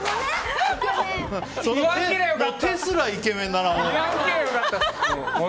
手すらイケメンだな！